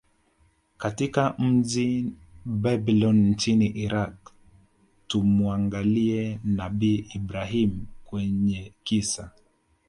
katika mji Babylon nchini Iraq Tumuangalie nabii Ibrahim kwenye kisa